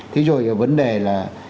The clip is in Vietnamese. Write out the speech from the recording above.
thế rồi vấn đề là